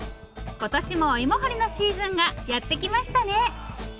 今年もおいも掘りのシーズンがやってきましたね。